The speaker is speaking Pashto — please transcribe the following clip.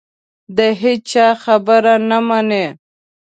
د هېچا خبره نه مني